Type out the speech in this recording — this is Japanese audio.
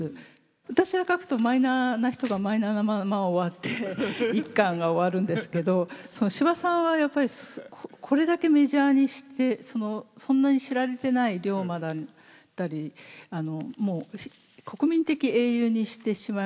私が書くとマイナーな人がマイナーなまま終わって１巻が終わるんですけど司馬さんはやっぱりこれだけメジャーにしてそんなに知られてない竜馬だったりもう国民的英雄にしてしまいますよね。